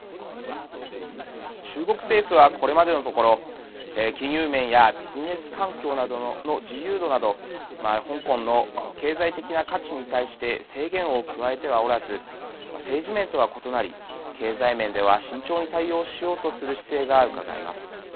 中国政府は、これまでのところ金融面やビジネス環境などの自由度など香港の経済的な価値に対して制限を加えてはおらず政治面とは異なり、経済面では慎重に対応しようとする姿勢がうかがえます。